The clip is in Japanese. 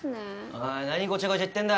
おい何ごちゃごちゃ言ってんだ。